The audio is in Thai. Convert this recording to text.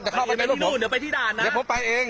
เดี่ยวผมไปเอง